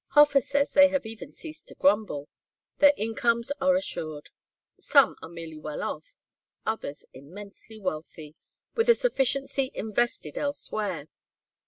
Hofer says they have even ceased to grumble. Their incomes are assured. Some are merely well off, others immensely wealthy with a sufficiency invested elsewhere.